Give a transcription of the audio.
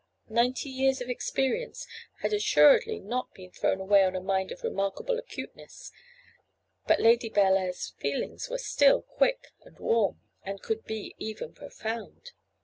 Ninety years of experience had assuredly not been thrown away on a mind of remarkable acuteness; but Lady Bellair's feelings were still quick and warm, and could be even profound.